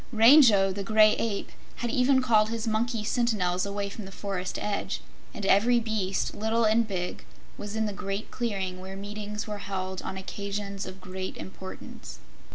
Rango, the Gray Ape, had even called his monkey sentinels away from the forest edge, and every beast, little and big, was in the great clearing where meetings were held on occasions of great importance.